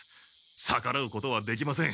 さからうことはできません。